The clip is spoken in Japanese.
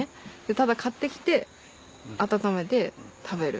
ただ買って来て温めて食べる。